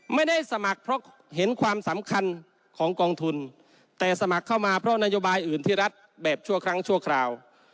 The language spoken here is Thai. ไม่ได้สมัครเพราะเห็นความสำคัญของกองทุนแต่สมัครเข้ามาเพราะนโยบายอื่นที่รัฐแบบชั่วครั้งชั่วคราว